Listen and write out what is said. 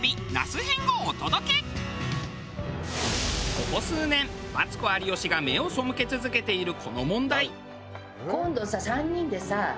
ここ数年マツコ有吉が目を背け続けているこの問題。